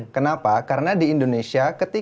kenapa karena di indonesia